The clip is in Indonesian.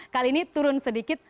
kali ini turun sedikit